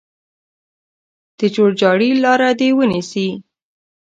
د جوړجاړي لاره دې ونیسي.